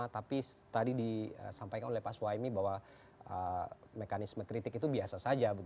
tapi tadi disampaikan oleh pak suhaimi bahwa mekanisme kritik itu biasa saja